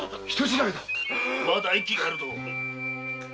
まだ息があるぞ。